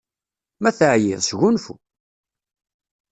Ma teɛyiḍ, sgunfu!